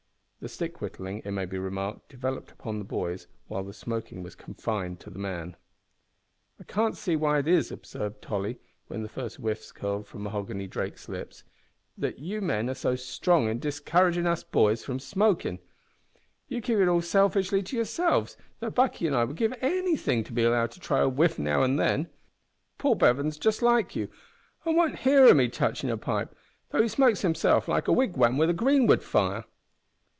The stick whittling, it may be remarked, devolved upon the boys, while the smoking was confined to the man. "I can't see why it is," observed Tolly, when the first whiffs curled from Mahoghany Drake's lips, "that you men are so strong in discouragin' us boys from smokin'. You keep it all selfishly to yourselves, though Buckie an' I would give anythin' to be allowed to try a whiff now an' then. Paul Bevan's just like you won't hear o' me touchin' a pipe, though he smokes himself like a wigwam wi' a greenwood fire!"